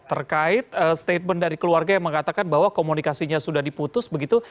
terkait statement dari keluarga yang mengatakan bahwa komunikasinya sudah diputus begitu